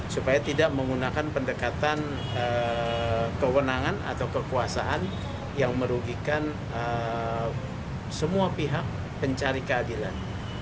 supaya tidak menggunakan pendekatan kewenangan atau kekuasaan yang merugikan semua pihak pencari keadilan